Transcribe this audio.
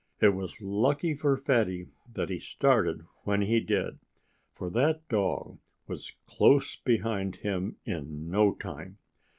It was lucky for Fatty that he started when he did. For that dog was close behind him in no time.